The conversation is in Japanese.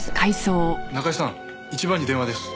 中井さん１番に電話です。